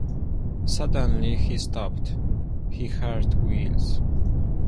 Suddenly he stopped; he heard wheels.